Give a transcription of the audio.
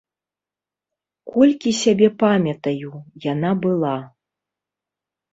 Колькі сябе памятаю, яна была.